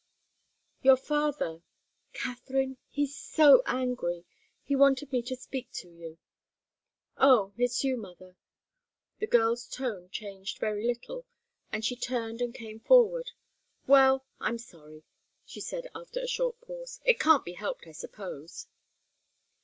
"Your father Katharine he's so angry! He wanted me to speak to you." "Oh it's you, mother?" The girl's tone changed a very little, and she turned and came forward. "Well I'm sorry," she said, after a short pause. "It can't be helped, I suppose."